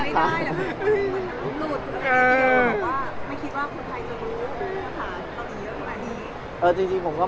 เมื่อทีุ่้งเขาบอกว่า